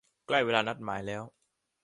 ใกล้เวลานัดหมายแล้ว